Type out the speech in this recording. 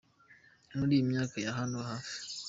“Muri iyi myaka ya hano hafi